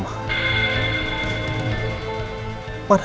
mana ada orang saling mencintai